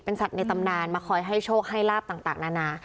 สัตว์ในตำนานมาคอยให้โชคให้ลาบต่างนานา